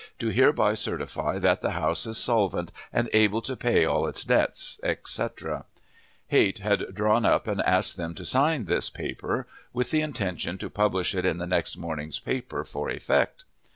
do hereby certify that the house is solvent and able to pay all its debts," etc. Height had drawn up and asked them to sign this paper, with the intention to publish it in the next morning's papers, for effect.